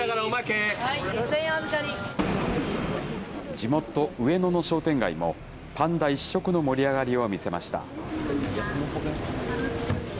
地元、上野の商店街も、パンダ一色の盛り上がりを見せました。